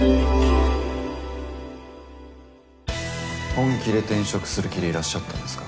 本気で転職する気でいらっしゃったんですか？